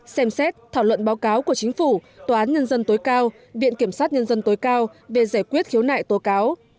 xem xét thảo luận báo cáo của chính phủ tòa án nhân dân tối cao viện kiểm sát nhân dân tối cao về giải quyết khiếu nại tố cáo